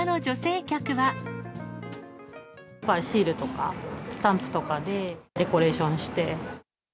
シールとか、スタンプとかで、デコレーションして。